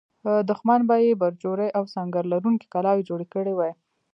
دښمن به یې برجورې او سنګر لرونکې کلاوې جوړې کړې وي.